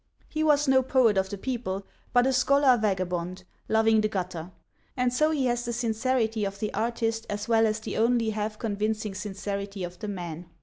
He was no poet of the people, but a scholar vagabond, loving the gutter; and so he has the sincerity of the artist as well as the only half convincing sincerity of the man.